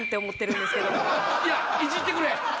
いやいじってくれ！